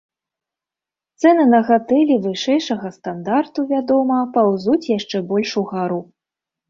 Цэны на гатэлі вышэйшага стандарту, вядома, паўзуць яшчэ больш угару.